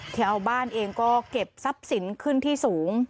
ชาวบ้านเองก็เก็บทรัพย์สินขึ้นที่สูง